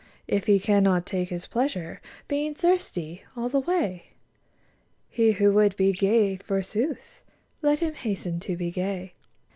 If he cannot take his pleasure, Being thirsty all the way ? He who would be gay, forsooth, Let him hasten to be gay.